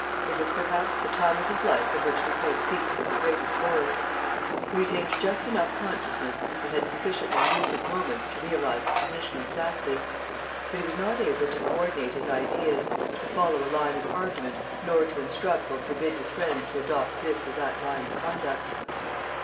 It was perhaps the time of his life of which Lupin speaks with the greatest horror. He retained just enough consciousness and had sufficiently lucid moments to realize the position exactly. But he was not able to coordinate his ideas, to follow a line of argument nor to instruct or forbid his friends to adopt this or that line of conduct.